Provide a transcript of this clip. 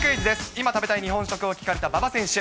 今食べたい日本食を聞かれた馬場選手。